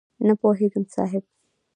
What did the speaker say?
نه پوهېږم صاحب؟!